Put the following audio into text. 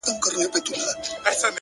پوه انسان د غرور بندي نه وي.!